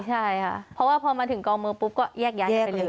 ใช่ค่ะเพราะว่าพอมาถึงกองมือปุ๊บก็แยกย้ายกันไปเลย